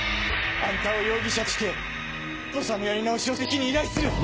あんたを容疑者として捜査のやり直しを正式に依頼する！